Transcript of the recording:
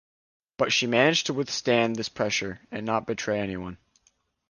But she managed to withstand this pressure and not betray anyone.